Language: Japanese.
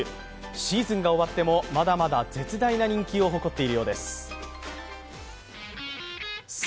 シーズンが終わってもまだまだ絶大な人気を誇っているようです。